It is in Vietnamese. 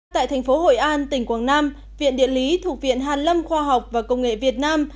tại thành phố hội an tỉnh quảng nam viện điện lý thuộc viện hàn lâm khoa học và công nghệ việt nam